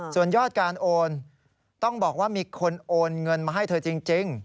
ส่วนยอดการโอนต้องบอกว่ามีคนโอนเงินมาให้เธอจริง